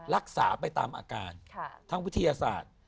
รักษาไปตามอาการทางวิทยาศาสตร์